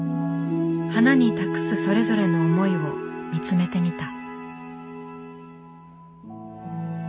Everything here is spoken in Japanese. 花に託すそれぞれの思いを見つめてみた。